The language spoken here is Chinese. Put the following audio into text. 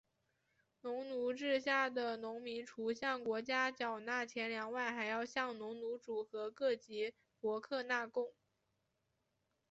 农奴制下的农民除向国家缴纳钱粮外还要向农奴主和各级伯克纳贡。